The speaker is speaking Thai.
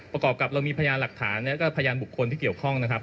ประกอบกับเรามีพยานหลักฐานแล้วก็พยานบุคคลที่เกี่ยวข้องนะครับ